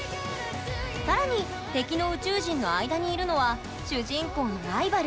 更に敵の宇宙人の間にいるのは主人公のライバル。